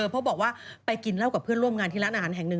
เพราะบอกว่าไปกินเหล้ากับเพื่อนร่วมงานที่ร้านอาหารแห่งหนึ่ง